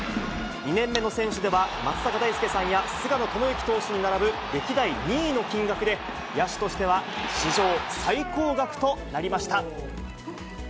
２年目の選手では、松坂大輔さんや菅野智之投手に並ぶ歴代２位の金額で、野手としては史上最高額となりました。